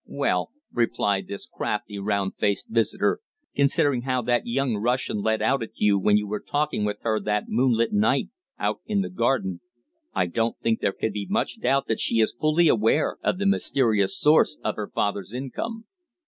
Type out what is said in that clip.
"Well," replied this crafty, round faced visitor, "considering how that young Russian let out at you when you were walking with her that moonlight night out in the garden, I don't think there can be much doubt that she is fully aware of the mysterious source of her father's income."